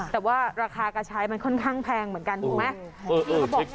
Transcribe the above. แต่ว่าราคากระชายมันค่อนข้างแพงเหมือนกันถูกไหม